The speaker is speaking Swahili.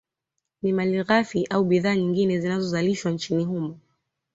Na malighafi au bidhaa nyingine zinazozalishwa nchini humo